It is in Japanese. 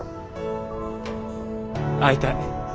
会いたい。